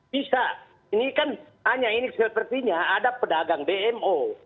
bisa ini kan hanya ini sepertinya ada pedagang dmo